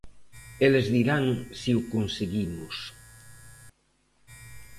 Eles dirán se o conseguimos.